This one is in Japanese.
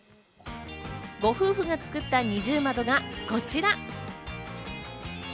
ご夫婦が作った二重窓がこちら。